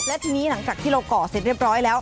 และทีนี้หลังจากที่เราก่อเสร็จเรียบร้อยแล้ว